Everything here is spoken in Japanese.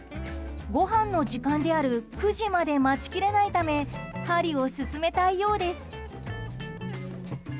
ごはんの時間である９時まで待ちきれないため針を進めたいようです。